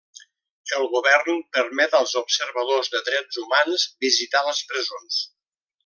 El govern permet als observadors de drets humans visitar les presons.